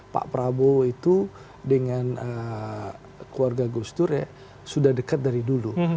pak prabowo itu dengan keluarga gus dur ya sudah dekat dari dulu